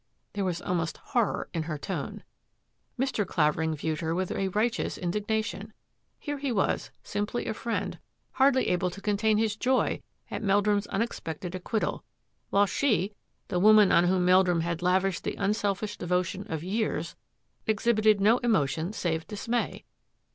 " There was almost horror in her tone. Mr. Clavering viewed her with a righteous in dignation. Here was he, simply a friend, hardly able to contain his joy at Meldrum's unexpected acquittal, while she, the woman on whom Meldrum had lavished the unselfish devotion of years, ex hibited no emotion save dismay.